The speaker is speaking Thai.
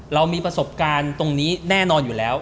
เรามีประสบการณ์ตรงนี้แน่นอนอยู่แล้ว